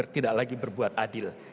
tidak lagi berbuat adil